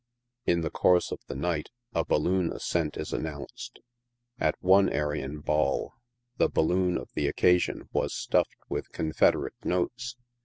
In the course of the night a balloon ascent is announced. At one Arion Ball, the balloon of the occasion was stuffed with Confede rate notes.